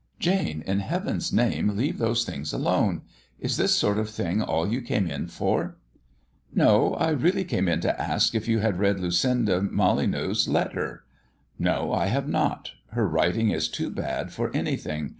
"Jane, in Heaven's name leave those things alone! Is this sort of thing all you came in for?" "No; I really came in to ask if you had read Lucinda Molyneux's letter." "No, I have not; her writing is too bad for anything.